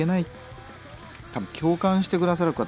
多分共感して下さる方